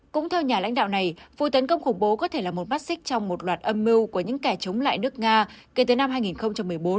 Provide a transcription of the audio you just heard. cũng theo nhà lãnh đạo này vụ tấn công khủng bố có thể là một mắt xích trong một loạt âm mưu của những kẻ chống lại nước nga kể từ năm hai nghìn một mươi bốn